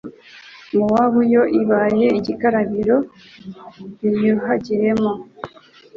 Mowabu yo ibaye igikarabiro niyuhagiriramo